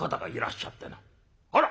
「あら！